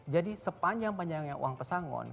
jadi sepanjang panjangnya uang pesangon